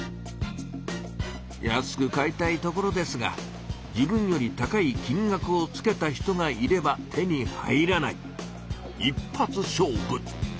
安く買いたいところですが自分より高い金額をつけた人がいれば手に入らない一発勝負。